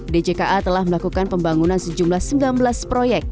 djka telah melakukan pembangunan sejumlah sembilan belas proyek